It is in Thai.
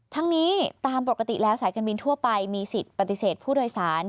ทั้งนี้ตามปกติแล้วสายการบินทั่วไปมีสิทธิ์ปฏิเสธผู้โดยสาร